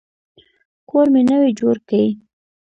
کور مي نوی جوړ کی.